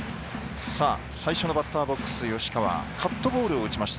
最初のバッターボックス吉川はカットボールを打ちました